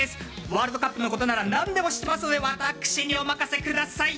ワールドカップのことなら何でも知ってますので私にお任せください。